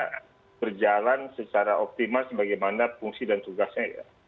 harusnya berjalan secara optimal sebagaimana fungsi dan tugasnya